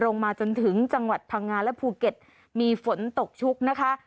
มาจนถึงจังหวัดพังงาและภูเก็ตมีฝนตกชุกนะคะ